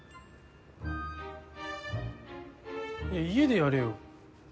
いや家でやれよ。